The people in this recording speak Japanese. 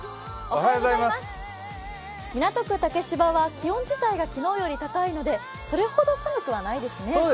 港区竹芝は気温自体は高いのでそれほど寒くはないですね。